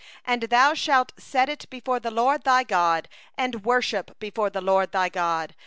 And thou shalt set it down before the LORD thy God, and worship before the LORD thy God.